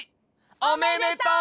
おめでとう！